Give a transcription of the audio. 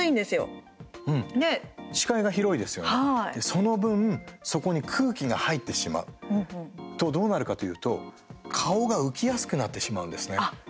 その分、そこに空気が入ってしまうとどうなるかというと顔が浮きやすくなってしまうんですね。